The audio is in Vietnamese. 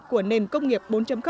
của nền công nghiệp bốn